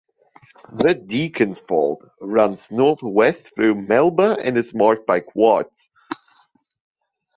The Deakin Fault runs north west through Melba and is marked by quartz.